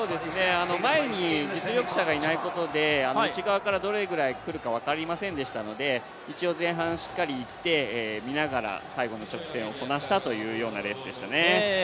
前に実力者がいないことで、内側からどれくらい来るか分かりませんでしたので一応前半しっかり行って、見ながら最後の直線をこなしたというレースでしたね。